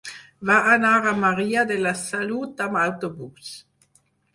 Va anar a Maria de la Salut amb autobús.